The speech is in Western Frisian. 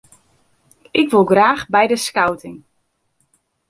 Ik wol graach by de skouting.